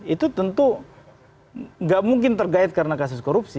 itu tentu nggak mungkin tergait karena kasus korupsi